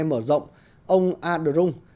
mở rộng ông a đờ rung